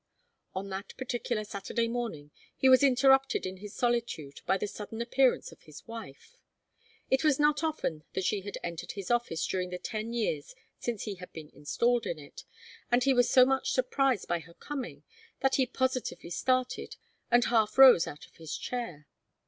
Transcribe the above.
On that particular Saturday morning he was interrupted in his solitude by the sudden appearance of his wife. It was not often that she had entered his office during the ten years since he had been installed in it, and he was so much surprised by her coming that he positively started, and half rose out of his chair.